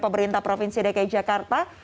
pemerintah provinsi dki jakarta